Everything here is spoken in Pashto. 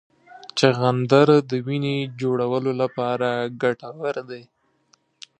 چغندر د وینې جوړولو لپاره ګټور دی.